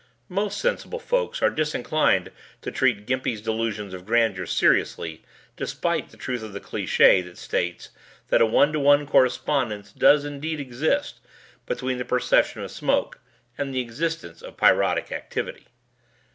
Most sensible folks are disinclined to treat Gimpy's delusions of grandeur seriously despite the truth of the cliché that states that a one to one correspondence does indeed exist between the perception of smoke and the existence of pyrotic activity.